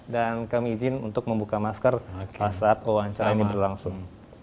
dan kami izin untuk membuka masker saat wawancara ini berlangsung